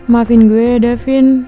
maafin gua ya davin